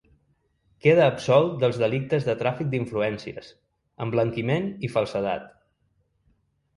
Queda absolt dels delictes de tràfic d’influències, emblanquiment i falsedat.